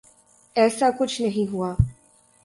ایساکچھ نہیں ہوا۔